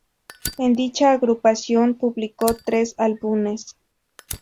En dicha agrupación publicó tres álbumes.